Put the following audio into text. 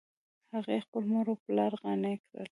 هغې خپل مور او پلار قانع کړل چې